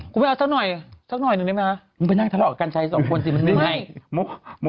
คุณผู้ชม